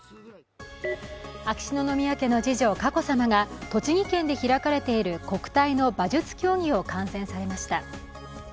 秋篠宮家の次女・佳子さまが栃木県で開かれている国体の馬術競技を観戦されました。